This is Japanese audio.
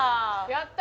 やった！